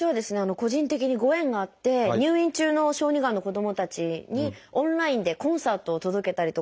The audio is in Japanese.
個人的にご縁があって入院中の小児がんの子どもたちにオンラインでコンサートを届けたりとか。